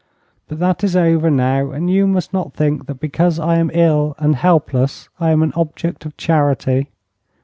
But that is over now, and you must not think that because I am ill and helpless I am an object of charity."